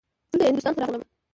دلته هندوستان ته راغلم.